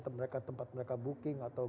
tempat mereka tempat mereka booking atau